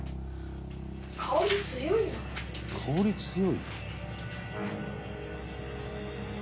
「“香り強い”？」